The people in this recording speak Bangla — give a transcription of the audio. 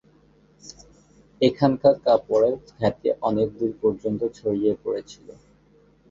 এখানকার কাপড়ের খ্যাতি অনেক দূর পর্যন্ত ছড়িয়ে পড়েছিল।